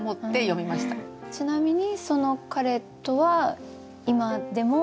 ちなみにその彼とは今でも？